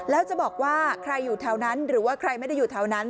แล้วจะบอกว่าใครอยู่แถวนั้นหรือว่าใครไม่ได้อยู่แถวนั้น